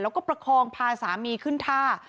แล้วก็ประคองพาสามีขึ้นท่า